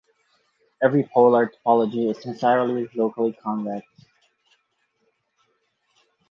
Every polar topology is necessarily locally convex.